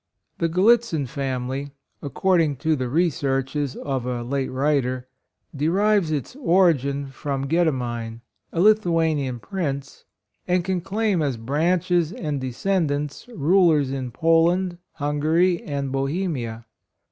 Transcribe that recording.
The Gallitzin family, according to the researches of a late writer, de rives its origin from Gedemine, a Lithuanian Prince, and can claim as branches and descendants, rulers in Poland, Hungary and Bohemia.